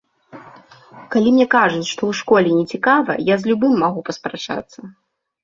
Калі мне кажуць, што ў школе не цікава, я з любым магу паспрачацца.